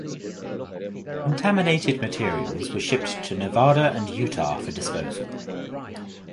Contaminated materials were shipped to Nevada and Utah for disposal.